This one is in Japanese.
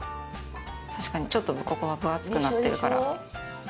確かにちょっとここが分厚くなってるから。